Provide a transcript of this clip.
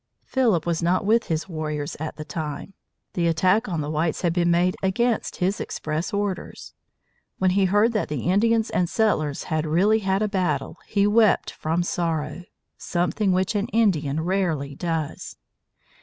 Philip was not with his warriors at the time. The attack on the whites had been made against his express orders. When he heard that the Indians and settlers had really had a battle, he wept from sorrow, something which an Indian rarely does.